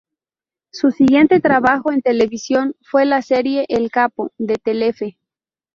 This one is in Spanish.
Su siguiente trabajo en televisión fue la serie "El Capo" de Telefe.